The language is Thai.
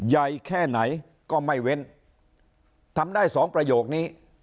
ใหญ่แค่ไหนก็ไม่เว้นทำได้สองประโยคนี้